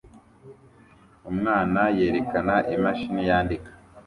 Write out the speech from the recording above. Umwana yerekana imashini yandika